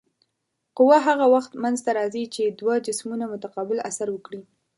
قوه هغه وخت منځته راځي چې دوه جسمونه متقابل اثر وکړي.